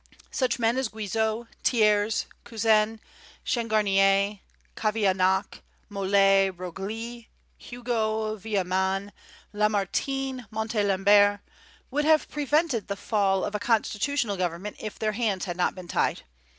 Such men as Guizot, Thiers, Cousin, Changarnier, Cavaignac, Molé, Broglie, Hugo, Villemain, Lamartine, Montalembert, would have prevented the fall of constitutional government if their hands had not been tied.